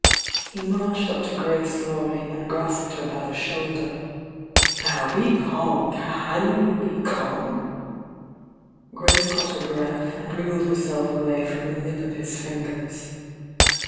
He marched up to Grace Laurie and grasped her by the shoulder. "Now, be calm! Can you be calm?" Grace caught her breath, and wriggled herself away from the nip of his fingers.